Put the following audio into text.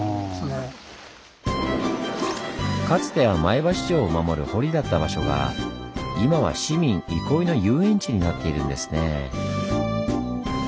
かつては前橋城を守る堀だった場所が今は市民憩いの遊園地になっているんですねぇ。